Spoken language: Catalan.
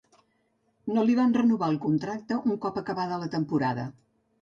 No li van renovar el contracte un cop acabada la temporada.